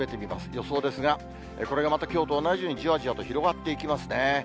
予想ですが、これがまたきょうと同じように、じわじわと広がっていきますね。